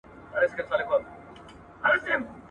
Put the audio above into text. • د ملک د مخه مه تېرېږه، د غاتري تر شا.